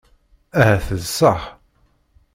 Ahat d ṣṣeḥ.